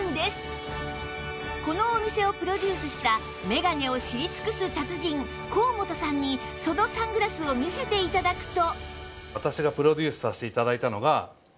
このお店をプロデュースした眼鏡を知り尽くす達人高本さんにそのサングラスを見せて頂くと